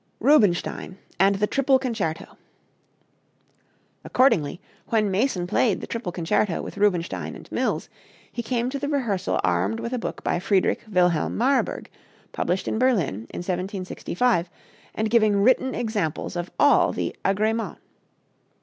Rubinstein and the "Triple Concerto." Accordingly, when Mason played the "Triple Concerto" with Rubinstein and Mills, he came to the rehearsal armed with a book by Friedrich Wilhelm Marburg, published in Berlin in 1765, and giving written examples of all the agréments.